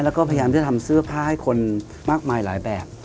แล้วก็พยายามที่จะทำเสื้อผ้าให้คนมากมายหลายแบบ